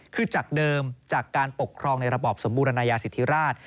คือจากเดิมจากการปกครองในระบอบสมบูรณยาสิทธิราช